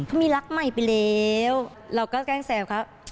เขามีรักใหม่ไปแล้วเราก็แกล้งแซวเขา